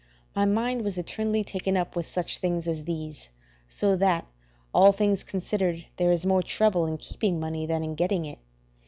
My mind was eternally taken up with such things as these, so that, all things considered, there is more trouble in keeping money than in getting it.